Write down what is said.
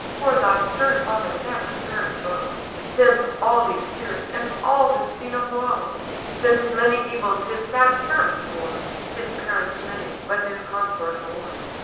For thy stern father never spared a foe: Thence all these tears, and all this scene of woe! Thence many evils his sad parents bore, His parents many, but his consort more.